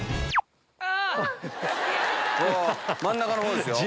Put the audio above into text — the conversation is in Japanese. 真ん中のほうですよ。